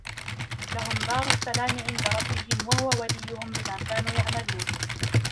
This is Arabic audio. لهم دار السلام عند ربهم وهو وليهم بما كانوا يعملون